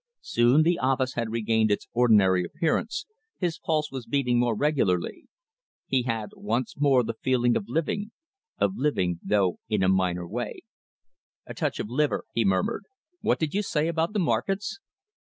Soon the office had regained its ordinary appearance, his pulse was beating more regularly. He had once more the feeling of living of living, though in a minor key. "A touch of liver," he murmured. "What did you say about the markets?"